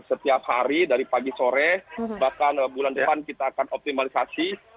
setiap hari dari pagi sore bahkan bulan depan kita akan optimalisasi